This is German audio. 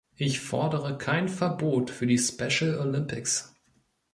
Ich fordere kein Verbot für die Special Olympics.